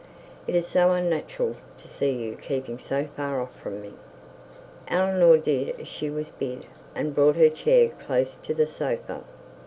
It is so unnatural to see you keeping so far off from me.' Eleanor did as she was bid, and brought her chair closer to the sofa.